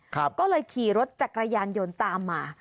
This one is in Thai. ก็เลยขี่รถจักรยานยนต์ตามมา